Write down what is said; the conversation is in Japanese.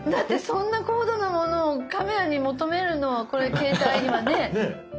そんな高度なものをカメラに求めるのはこれ携帯にはねえ。ねえ。